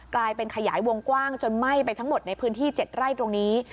กลายเป็นขยายวงกว้างจนไหม้ไปทั้งหมดในพื้นที่๗ไร่ตรงนี้